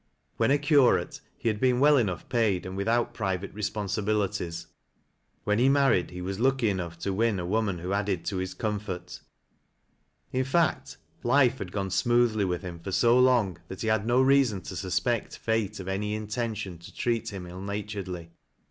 When a curate he had been well enough paid and without private respon Bibilities ■ when he married he was lucky enough to win a woman who added to liis comfoit; in fact, life had gone no TBAT LABS 0' LOWlilSrS. smoothly with him for bo long that he had nj leason t< suspect Fate of any intention to treat him ill naturedly.